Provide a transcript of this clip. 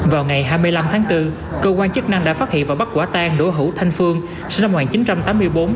vào ngày hai mươi năm tháng bốn cơ quan chức năng đã phát hiện và bắt quả tan đỗ hữu thanh phương sinh năm một nghìn chín trăm tám mươi bốn